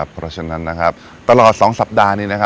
เพราะฉะนั้นตลอด๒สัปดาห์นี้